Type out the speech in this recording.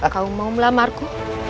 kau mau melamarku